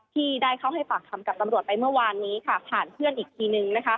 ที่ได้เข้าให้ปากคำกับตำรวจไปเมื่อวานนี้ผ่านเพื่อนอีกทีนึง